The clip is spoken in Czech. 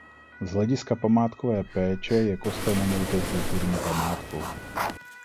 Z hlediska památkové péče je kostel nemovitou kulturní památkou.